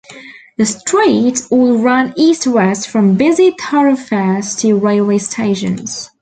The streets all ran east-west from busy thoroughfares to railway stations.